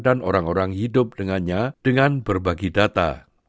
dan orang orang hidup dengannya dengan berbagi data